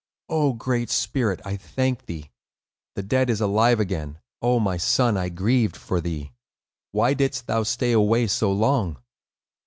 "O Great Spirit, I thank thee! The dead is alive again! O my son, I grieved for thee! Why didst thou stay away so long?"